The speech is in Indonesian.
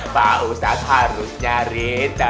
pak ustadz harus nyari